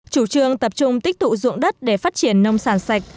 chủ trương tập trung tích tụ dụng đất để phát triển nông sản sạch